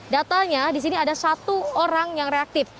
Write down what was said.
datanya di sini ada satu orang yang reaktif